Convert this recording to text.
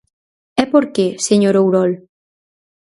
¿E por que, señor Ourol?